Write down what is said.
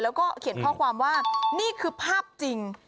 แล้วก็เขียนข้อความว่านี่คือภาพจริง